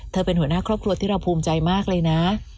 เป็นหัวหน้าครอบครัวที่เราภูมิใจมากเลยนะ